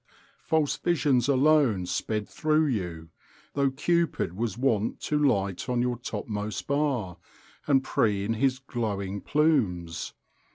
_ False visions alone sped through you, though Cupid was wont to light on your topmost bar, and preen his glowing plumes.